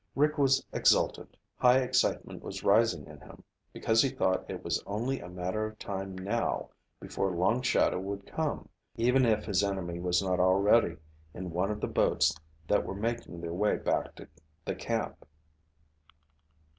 Rick was exultant. High excitement was rising in him, because he thought it was only a matter of time now before Long Shadow would come, even if his enemy was not already in one of the boats that were making their way back to the camp.